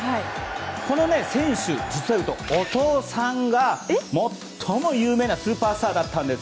この選手、実はお父さんが最も有名なスーパースターだったんです。